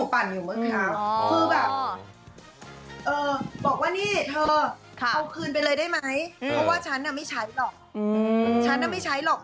เพราะว่าฉันน่ะไม่ใช้หรอก